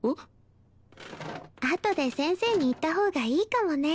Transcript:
あとで先生に言ったほうがいいかもね。